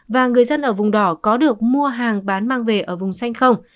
và người dân ở vùng đỏ có được mua hàng bán mang về ở vùng xanh không